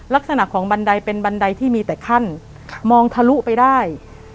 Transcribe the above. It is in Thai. ลักษณะของบันไดเป็นบันไดที่มีแต่ขั้นมองทะลุไปได้